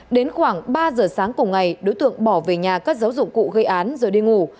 đến khoảng ba giờ sáng cùng ngày đối tượng bỏ về nhà cất giấu dụng cụ gây án rồi đi ngủ